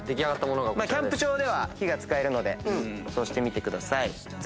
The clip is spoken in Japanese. キャンプ場では火が使えるのでそうしてみてください。